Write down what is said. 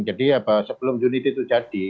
jadi sebelum unit itu jadi